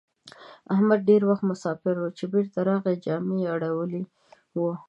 احمد ډېر وخت مساپر وو؛ چې بېرته راغی جامه يې اړولې وه.